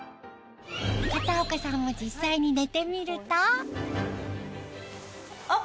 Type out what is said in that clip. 片岡さんも実際に寝てみるとあっ！